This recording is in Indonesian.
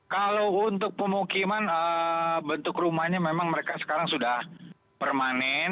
kalau untuk pemukiman bentuk rumahnya memang mereka sekarang sudah permanen